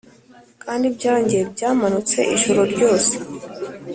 kandi ibyanjye byamanutse ijoro ryose,